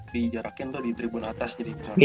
dijarakin tuh di tribun atas jadi